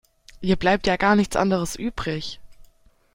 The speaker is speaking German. Ihr bleibt ja gar nichts anderes übrig.